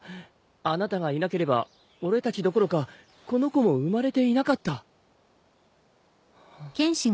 あなたがいなければ俺たちどころかこの子も生まれていなかった。